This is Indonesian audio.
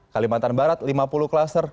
kalimantan barat lima puluh klaster